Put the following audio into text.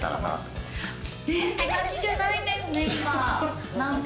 手書きじゃないんですね、今。